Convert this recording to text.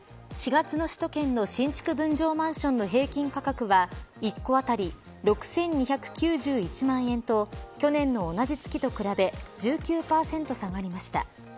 ４月の首都圏の新築分譲マンションの平均価格は１戸当たり６２９１万円と去年の同じ月と比べ１９％下がりました。